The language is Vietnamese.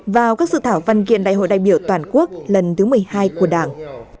vào các sự thảo văn kiện đại hội đại biểu toàn quốc lần thứ một mươi hai của đảng